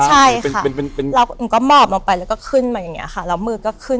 ใช่ค่ะแล้วก็มอบออกไปแล้วก็ขึ้นแบบอย่างเงี้ยค่ะแล้วมือก็ขึ้น